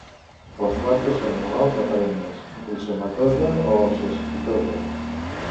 Les plantes són anuals o perennes; rizomatosa o cespitosa.